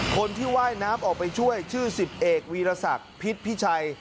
คนที่ไหว้น้ำออกไปช่วยชื่อสิบเอกวีรสักภิษภิชัย